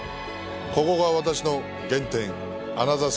ここが私の原点アナザー